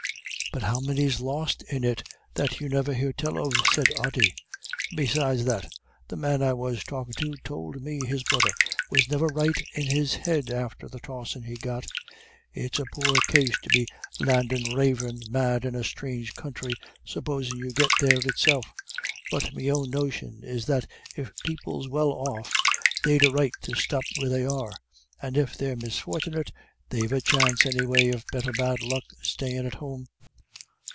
"But how many's lost in it that you never hear tell of?" said Ody. "And besides that, the man I was talkin' to tould me his brother was never right in his head after the tossin' he got. It's a poor case to be landin' ravin' mad in a sthrange counthry, supposin' you get there itself. But me own notion is that if people's well off, they've a right to stop where they are, and if they're misfort'nit, they've a chance any way of better bad luck stayin' at home."